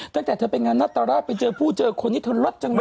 ตั้งแต่เธอไปงานนัตรราชไปเจอผู้เจอคนนี้เธอลดจังเลย